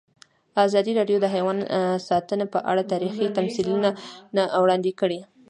ازادي راډیو د حیوان ساتنه په اړه تاریخي تمثیلونه وړاندې کړي.